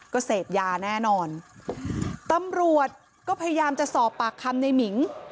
ก็เสพยาแน่นอนตำรวจก็พยายามจะสอบปากคำในหมิง